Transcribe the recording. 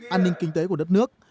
an ninh kinh tế của đất nước